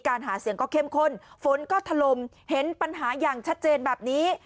หาเสียงก็เข้มข้นฝนก็ถล่มเห็นปัญหาอย่างชัดเจนแบบนี้